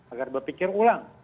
agar berpikir ulang